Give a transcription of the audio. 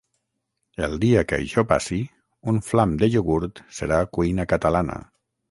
El dia que això passi un "flam de iogurt" serà "cuina catalana".